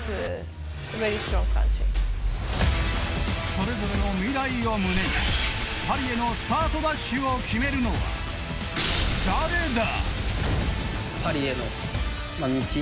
それぞれの未来を胸にパリへのスタートダッシュを決めるのは誰だ。